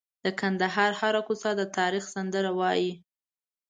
د کندهار هره کوڅه د تاریخ سندره وایي.